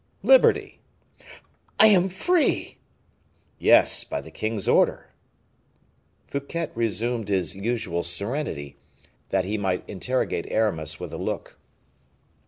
"Liberty." "I am free!" "Yes; by the king's order." Fouquet resumed his usual serenity, that he might interrogate Aramis with a look.